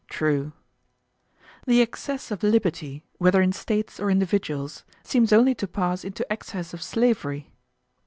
True. The excess of liberty, whether in States or individuals, seems only to pass into excess of slavery.